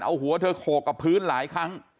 เอาหัวเธอโขกกับพื้นหลายครั้ง